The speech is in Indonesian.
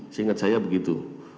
seingat saya begitu